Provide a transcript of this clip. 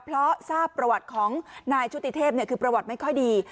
เพราะทราบประวัติของนายชุติเทพคือประวัติไม่ค่อยดี